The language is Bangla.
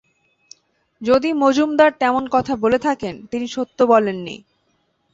যদি মজুমদার তেমন কথা বলে থাকেন, তিনি সত্য বলেননি।